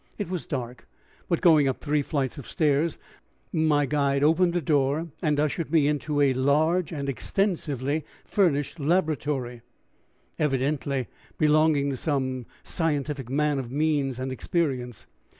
It was dark, but going up three flights of stairs my guide opened a door and ushered me into a large and extensively furnished laboratory, evidently belonging to some scientific man of means and experience.